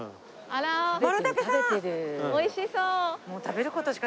おいしそう！